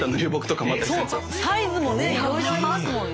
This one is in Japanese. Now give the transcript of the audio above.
サイズもねいろいろありますもんね。